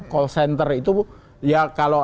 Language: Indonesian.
call center itu ya kalau